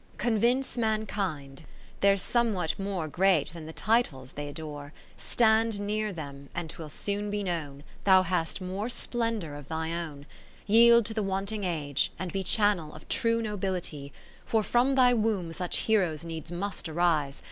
Convince mankind, there 's some what more (ireat than the titles they adore : Stand near them, and 'twill soon be known 'i'hou hast more splendour of thy own 60 Yield to the wanting Age, and be ('hannel of true nobility : For from thy womb such heroes need must rise.